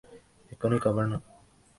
এক্ষুনি কভার নাও!